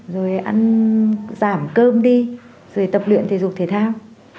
rồi ăn giảm cơm đi rồi tập luyện thể dục thể thao